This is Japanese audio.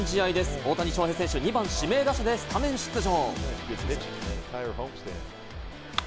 大谷翔平選手は２番・指名打者でスタメン出場。